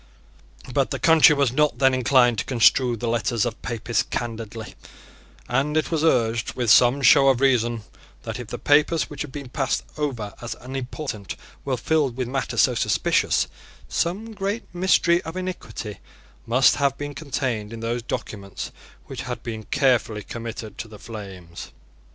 But the country was not then inclined to construe the letters of Papists candidly; and it was urged, with some show of reason, that, if papers which had been passed over as unimportant were filled with matter so suspicious, some great mystery of iniquity must have been contained in those documents which had been carefully committed to the flames.